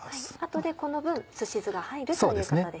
後でこの分すし酢が入るということですね。